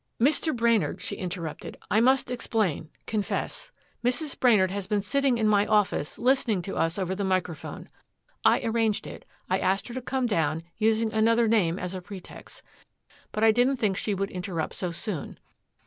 "Mr. Brainard," she interrupted. "I must explain confess. Mrs. Brainard has been sitting in my office listening to us over the microphone. I arranged it. I asked her to come down, using another name as a pretext. But I didn't think she would interrupt so soon.